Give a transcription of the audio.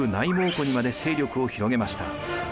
蒙古にまで勢力を広げました。